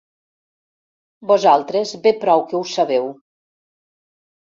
Vosaltres bé prou que ho sabeu.